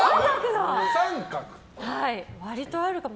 割とあるかも。